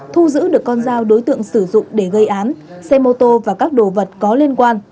thu giữ được con dao đối tượng sử dụng để gây án xe mô tô và các đồ vật có liên quan